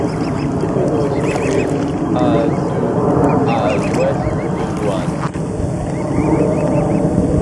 Irmino est située à de à l'ouest de Louhansk.